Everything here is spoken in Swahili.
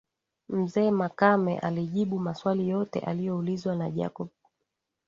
Mzee Makame alijibu maswali yote alioulizwa na Jacob